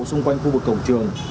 xung quanh khu vực cổng trường